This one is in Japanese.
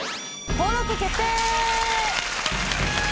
登録決定！